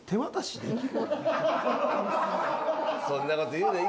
そんなこと言うな！